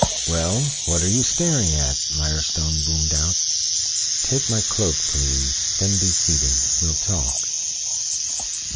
"Well, what are you staring at?" Mirestone boomed out. "Take my cloak, please, then be seated. We'll talk."